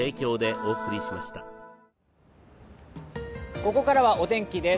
ここからはお天気です。